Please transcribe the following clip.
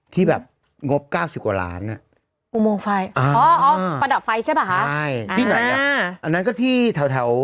ที่ไหนอันนั้นก็ที่แถว